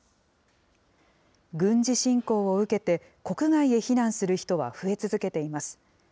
軍事侵攻を受けて、国外へ避難する人は増え続けています。